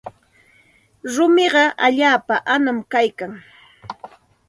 Rumiqa allaapa anam kaykan.